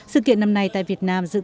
sự kiện năm nay tại việt nam dự kiến